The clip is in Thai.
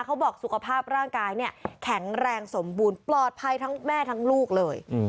สุขภาพร่างกายเนี่ยแข็งแรงสมบูรณ์ปลอดภัยทั้งแม่ทั้งลูกเลย